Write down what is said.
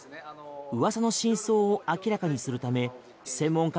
噂の真相を明らかにするため専門家